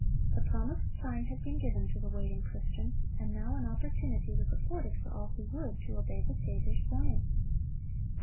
The promised sign had been given to the waiting Christians, and now an opportunity was afforded for all who would, to obey the Saviour's warning.